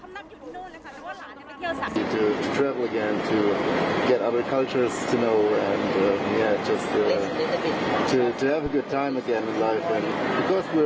แล้วถ้าเกิดโควิดระบาดเนี่ยไม่ได้มาเลยนะฮะ